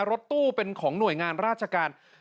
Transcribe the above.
รถตู้เป็นของหน่วยงานราชการ